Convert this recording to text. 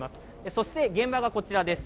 そして現場はこちらです。